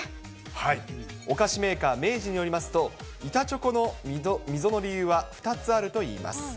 お菓子メーカー、明治によりますと、板チョコの溝の理由は２つあるといいます。